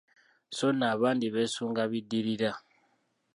Sso nno abandi beesunga biddirira.